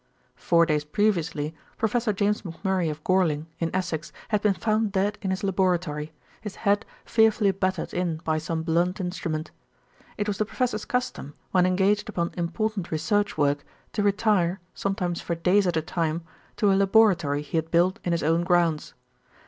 Four days previously, Professor James McMurray of Gorling, in Essex, had been found dead in his laboratory, his head fearfully battered in by some blunt instrument. It was the professor's custom, when engaged upon important research work, to retire, sometimes for days at a time, to a laboratory he had built in his own grounds.